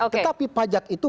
tetapi pajak itu